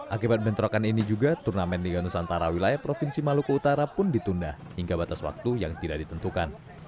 akibat bentrokan ini juga turnamen liga nusantara wilayah provinsi maluku utara pun ditunda hingga batas waktu yang tidak ditentukan